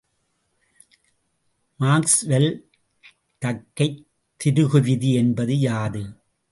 Maxwell தக்கைத் திருகுவிதி என்பது யாது?